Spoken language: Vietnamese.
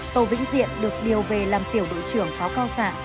tô vĩnh diện được điều về làm tiểu đội trưởng pháo cao xạ